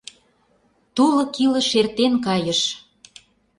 Тулык илыш эртен кайыш